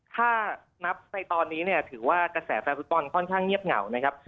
ถ้านับในตอนนี้เนี่ยถือว่ากระแสแฟนฟุตบอลค่อนข้างเงียบเหงานะครับ